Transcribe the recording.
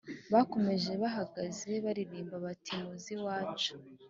Bakomeje bahagaze baririmba bati ‘Muzehe wacu